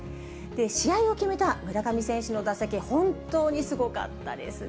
試合を決めた村上選手の打席、本当にすごかったですね。